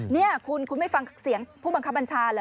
นี่คุณคุณไม่ฟังเสียงผู้บังคับบัญชาเหรอ